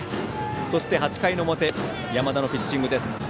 そして８回の表山田のピッチングです。